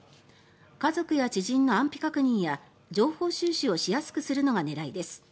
家族や知人の安否確認や情報収集をしやすくするのが狙いです。